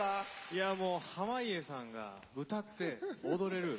いやもう濱家さんが歌って踊れる。